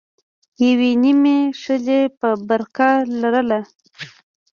يوې نيمې ښځې به برقه لرله.